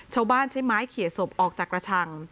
ชาวบ้านใช้ไม้เขียศพออกจากกระชัง